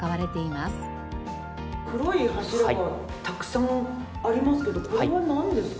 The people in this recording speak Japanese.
黒い柱がたくさんありますけどこれはなんですか？